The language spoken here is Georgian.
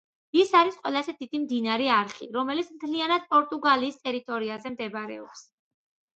ის არის ყველაზე დიდი მდინარე არხი, რომელიც მთლიანად პორტუგალიის ტერიტორიაზე მდებარეობს.